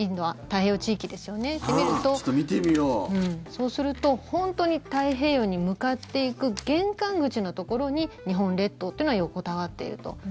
そうすると、本当に太平洋に向かっていく玄関口のところに日本列島っていうのが横たわっていると。